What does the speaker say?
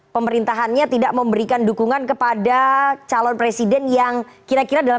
pemerintahannya tidak memberikan dukungan kepada calon presiden yang kira kira dalam